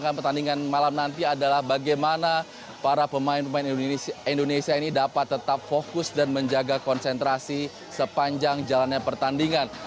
pertandingan malam nanti adalah bagaimana para pemain pemain indonesia ini dapat tetap fokus dan menjaga konsentrasi sepanjang jalannya pertandingan